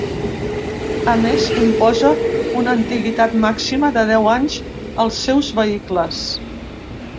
A més, imposa una antiguitat màxima de deu anys als seus vehicles.